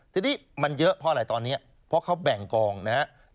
ทีนี้มันเยอะเพราะอะไรตอนนี้เพราะเขาแบ่งกองนะครับ